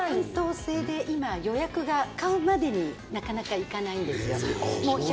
担当制で今予約が買うまでになかなかいかないんですよ。